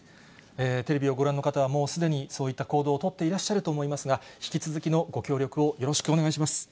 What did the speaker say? テレビをご覧の方はもうすでにそういった行動を取っていらっしゃると思いますが、引き続きのご協力をよろしくお願いします。